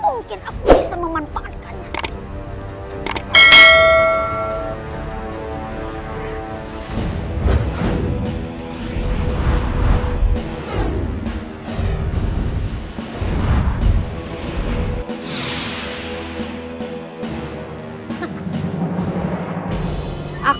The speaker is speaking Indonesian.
mungkin aku bisa memanfaatkannya